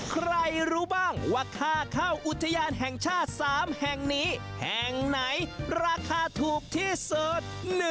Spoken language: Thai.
ใครรู้บ้างว่าค่าเข้าอุทยานแห่งชาติ๓แห่งนี้แห่งไหนราคาถูกที่สุด